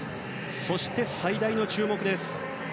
そして最大の注目です。